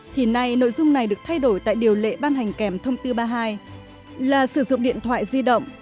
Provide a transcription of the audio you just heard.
thì nay nội dung này được thay đổi tại điều lệ ban hành kèm thông tư ba mươi hai là sử dụng điện thoại di động